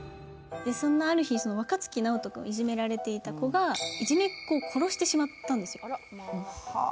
ある日、若槻ナオト君、いじめられていた子がいじめっ子を殺してしまったんですよ。